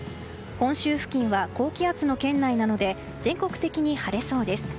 本州付近は高気圧の圏内なので全国的に晴れそうです。